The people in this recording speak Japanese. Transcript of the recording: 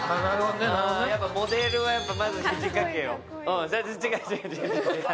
やっぱモデルは、まず肘かけよ。